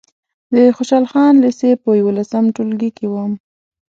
د خوشحال خان لېسې په یولسم ټولګي کې وم.